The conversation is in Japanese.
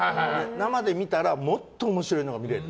生で見たらもっと面白いのが見れる。